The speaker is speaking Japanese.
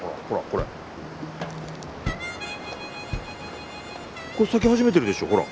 これ咲き始めてるでしょほら。